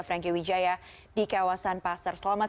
franky wijaya di kawasan pasar selamat